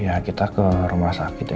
ya kita ke rumah sakit ya